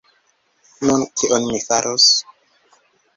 Nun, kion ni faros?